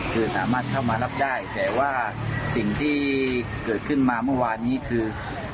คือสามารถเข้ามารับได้แต่ว่าสิ่งที่เกิดขึ้นมาเมื่อวานนี้คือ